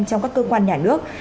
trong các cơ quan nhà nước